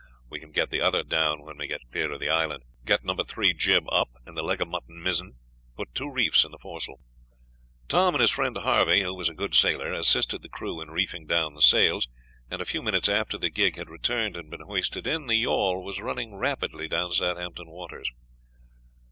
We can get the other down when we get clear of the island. Get number three jib up, and the leg of mutton mizzen; put two reefs in the foresail." Tom and his friend Harvey, who was a good sailor, assisted the crew in reefing down the sails, and a few minutes after the gig had returned and been hoisted in, the yawl was running rapidly down Southampton waters.